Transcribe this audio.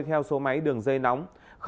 theo số máy đường dây nóng